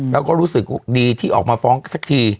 แล้วก็รู้สึกดีที่ออกมาฟ้องสักที